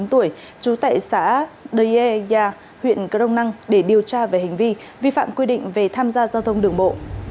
trú tại xã đê ye gia huyện cơ đông năng để điều tra về hình vi vi phạm quy định về tham gia giao thông đường bộ